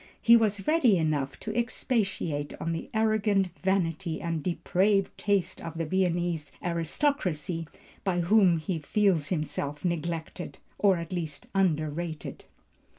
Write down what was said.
He was ready enough to expatiate on the arrogant vanity and depraved taste of the Viennese aristocracy, by whom he feels himself neglected, or at least underrated."